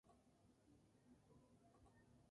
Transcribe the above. Fue el decimoquinto capitán de los dúnedain del Norte.